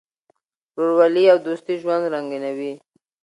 ورورولي او دوستي ژوند رنګینوي.